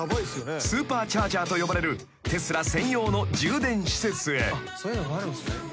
［スーパーチャージャーと呼ばれるテスラ専用の充電施設へ］